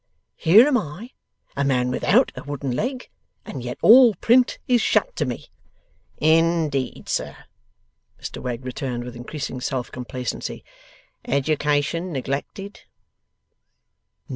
Here am I, a man without a wooden leg, and yet all print is shut to me.' 'Indeed, sir?' Mr Wegg returned with increasing self complacency. 'Education neglected?